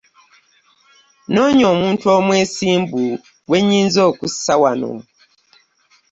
Nnoonya omuntu omwesimbu gwe nnyinza okussa wano.